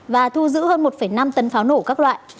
và thu giữ hơn một năm tấn pháo nổ các loại